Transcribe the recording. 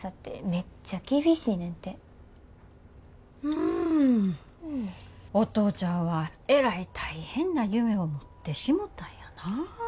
んお父ちゃんはえらい大変な夢を持ってしもたんやな。